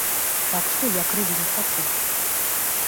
Так што я крыві не хачу.